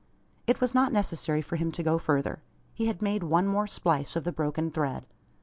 It was not necessary for him to go further. He had made one more splice of the broken thread.